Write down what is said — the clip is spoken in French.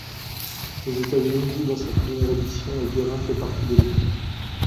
Les États-Unis jouent cette première édition et Guerin fait partie de l'équipe.